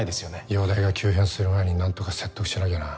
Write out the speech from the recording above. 容体が急変する前に何とか説得しなきゃな。